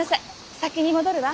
先に戻るわ。